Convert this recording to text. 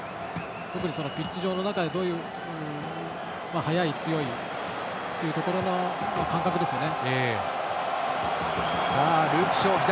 特にピッチ上の中で速い、強いというところの感覚ですよね。